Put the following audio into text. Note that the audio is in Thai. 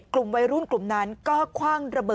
กลุ่มหนึ่งก็คือ